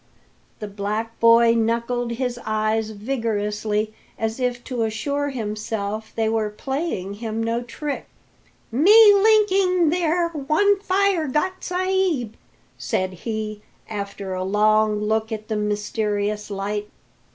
The black boy knuckled his eyes vigorously, as if to assure himself they were playing him no trick. "Me linking there one fire got, sa'b," said he, after a long look at the mysterious light.